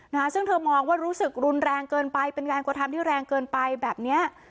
นะคะซึ่งเธอมองว่ารู้สึกรุนแรงเกินไปเป็นการกระทำที่แรงเกินไปแบบเนี้ย